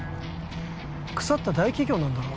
腐った大企業なんだろ？